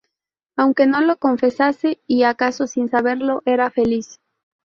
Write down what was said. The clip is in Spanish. aunque no lo confesase, y acaso sin saberlo, era feliz